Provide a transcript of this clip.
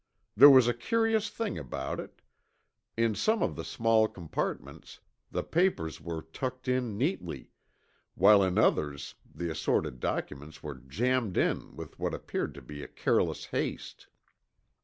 There was a curious thing about it: in some of the small compartments the papers were tucked in neatly, while in others the assorted documents were jammed in with what appeared to be a careless haste.